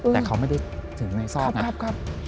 แต่เขาไม่ได้ถึงในซอก